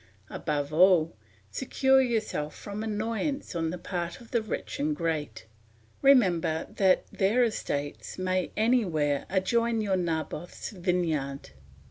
Above all, secure yourself from annoyance on the part of the rich and great; remember that their estates may anywhere adjoin your Naboth's vineyard.